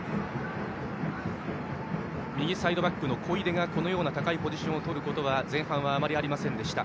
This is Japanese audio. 右サイドバックの小出が高いポジションをとることは前半は、あまりありませんでした。